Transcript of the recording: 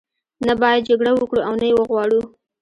نه باید جګړه وکړو او نه یې وغواړو.